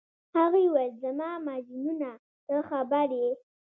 هغې وویل: زما مجنونه، ته خبر یې؟